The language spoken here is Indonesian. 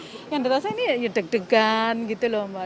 ya yang dirasa itu deg degan gitu loh mbak